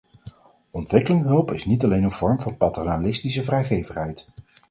Ontwikkelingshulp is niet alleen een vorm van paternalistische vrijgevigheid.